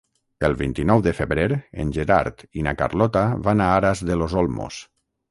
El vint-i-nou de febrer en Gerard i na Carlota van a Aras de los Olmos.